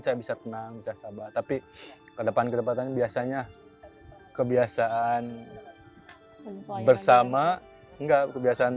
saya bisa tenang bisa sabar tapi kedepan kedepan biasanya kebiasaan bersama enggak kebiasaan